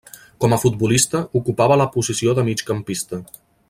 Com a futbolista ocupava la posició de migcampista.